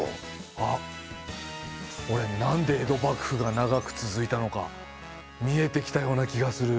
あっおれなんで江戸幕府が長く続いたのか見えてきたような気がする。